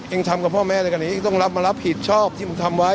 เองทำกับพ่อแม่ในการนี้ต้องรับมารับผิดชอบที่มันทำไว้